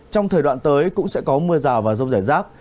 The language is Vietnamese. trong thời đoạn tới cũng sẽ có mưa rào và rông rải rác